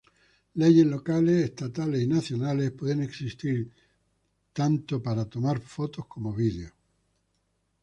Leyes locales, estatales y nacionales pueden existir tanto tomar foto como video.